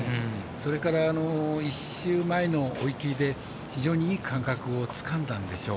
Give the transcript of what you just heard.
それから１週前の追い切りで非常にいい感覚をつかんだんでしょう。